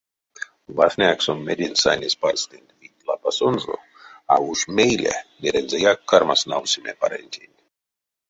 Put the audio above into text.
Васня сон меденть сайнесь парьстэнть вить лапасонзо, а уш мейле нерензэяк кармась навсеме парентень.